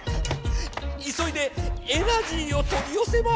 いそいでエナジーをとりよせます！